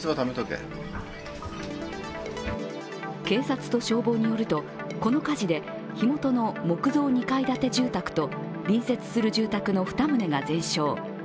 警察と消防によるとこの火事で火元の木造２階建て住宅と隣接する住宅の２棟が全焼。